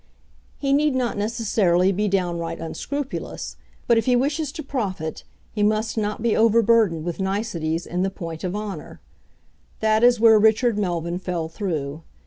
He need not necessarily be downright unscrupulous, but if he wishes to profit he must not be overburdened with niceties in the point of honour. That is where Richard Melvyn fell through.